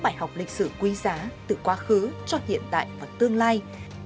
bài học lịch sử quý giá từ quá khứ cho hiện tại và tương lai